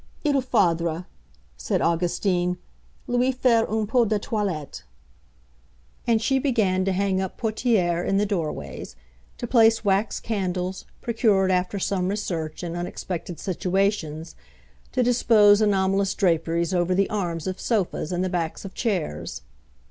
"Il faudra," said Augustine, "lui faire un peu de toilette." And she began to hang up portières in the doorways; to place wax candles, procured after some research, in unexpected situations; to dispose anomalous draperies over the arms of sofas and the backs of chairs.